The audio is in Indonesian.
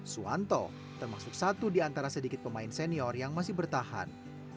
suwanto termasuk satu di antara sedikit pemain senior yang masih bertahan